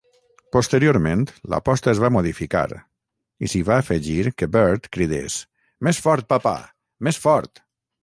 Posteriorment l'aposta es va modificar i s'hi va afegir que Bird cridés "Més fort, papa, més fort".